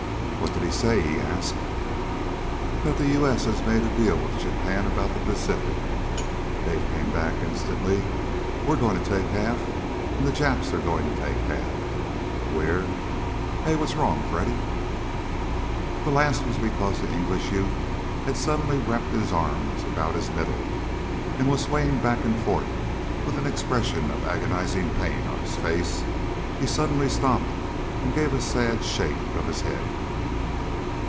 "What did he say?" he asked. "That the U.S. has made a deal with Japan about the Pacific!" Dave came back instantly. "We're going to take half, and the Japs are going to take half. We're Hey! What's wrong, Freddy?" The last was because the English youth had suddenly wrapped his arms about his middle, and was swaying back and forth with an expression of agonizing pain on his face. He suddenly stopped and gave a sad shake of his head.